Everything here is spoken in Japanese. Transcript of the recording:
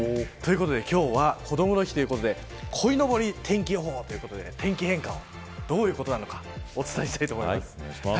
今日はこどもの日ということでこいのぼり天気予報ということで天気変化を、どういうことなのかお伝えします。